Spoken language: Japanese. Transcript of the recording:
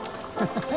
ハハハ